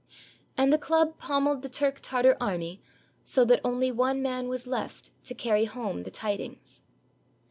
And the club pommeled the Turk Tartar army so that only one man was left to carry home the tidings.